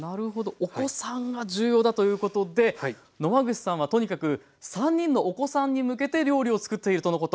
お子さんが重要だということで野間口さんはとにかく３人のお子さんに向けて料理をつくっているとのこと。